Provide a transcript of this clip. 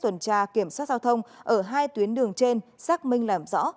tuần tra kiểm soát giao thông ở hai tuyến đường trên xác minh làm rõ